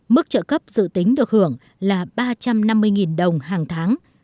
mức trợ cấp dự tính được hưởng là ba trăm năm mươi đồng hàng tháng